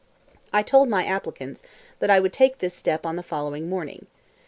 I told my applicants that I would take this step on the following morning.